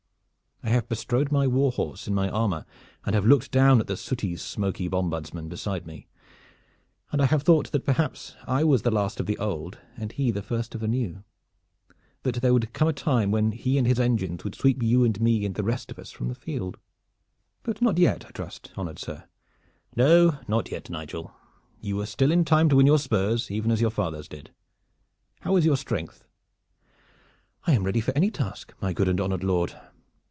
I have bestrode my warhorse in my armor and have looked down at the sooty, smoky bombardman beside me, and I have thought that perhaps I was the last of the old and he the first of the new; that there would come a time when he and his engines would sweep you and me and the rest of us from the field." "But not yet, I trust, honored sir?" "No, not yet, Nigel. You are still in time to win your spurs even as your fathers did. How is your strength?" "I am ready for any task, my good and honored lord."